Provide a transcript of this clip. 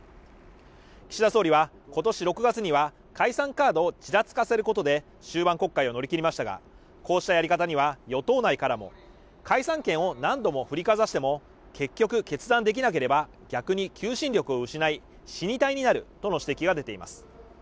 岸田総理は今年６月には解散カードをちらつかせることで終盤国会を乗り切りましたがこうしたやり方には与党内からも解散権を何度も振りかざしても結局決断できなければ逆に求心力を失い死に体になるとの指摘が出ています